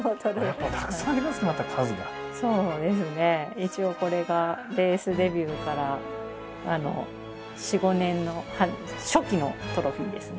一応これがレースデビューから４５年の初期のトロフィーですね。